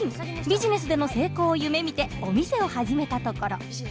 ビジネスでの成功を夢みてお店を始めたところ。